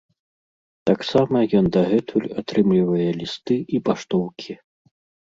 Таксама ён дагэтуль атрымлівае лісты і паштоўкі.